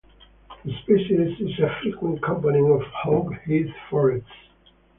The species is a frequent component of oak-heath forests.